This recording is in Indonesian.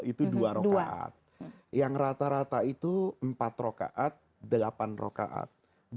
itu dua rokaat yang rata rata itu empat rokaat delapan rokaat batasan yang terbanyak yang pernah dilakukan itu adalah dua rokaat